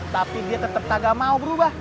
tapi dia tetap tak mau berubah